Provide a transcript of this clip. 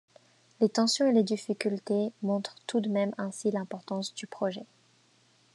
Les tensions et les difficultés montrent tout de même ainsi l'importance du projet.